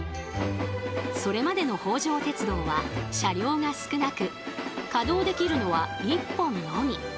それまでの北条鉄道は車両が少なく稼働できるのは１本のみ。